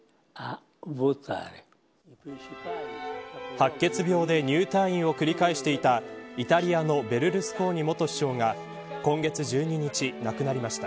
白血病で入退院を繰り返していたイタリアのベルルスコーニ元首相が今月１２日、亡くなりました。